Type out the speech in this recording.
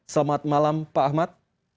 selamat malam pak ahmad